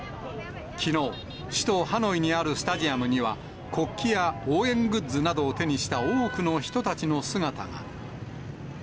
きのう、首都ハノイにあるスタジアムには、国旗や応援グッズなどを手にした多くの人たちの姿が。